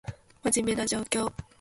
真面目な状況